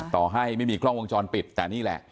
ต่อให้ไม่มีกล้องวงจรปิดแต่นี่แหละ